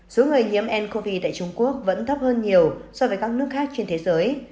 số người nhiễm ncov tại trung quốc vẫn thấp hơn nhiều so với các nước khác trên thế giới